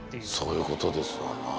そういうことですわな。